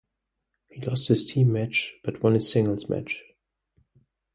He lost his team match, but won his singles match.